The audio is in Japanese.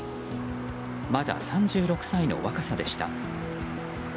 まだ３６歳の若さでした。